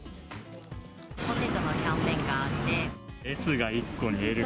ポテトのキャンペーンがあって。